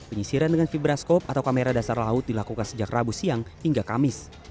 penyisiran dengan fibroskop atau kamera dasar laut dilakukan sejak rabu siang hingga kamis